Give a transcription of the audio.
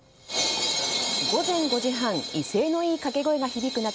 午前５時半威勢のいいかけ声が響く中